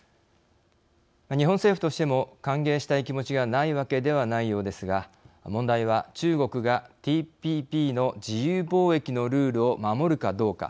日本政府としても歓迎したい気持ちがないわけではないようですが問題は中国がＴＰＰの自由貿易のルールを守るかどうか。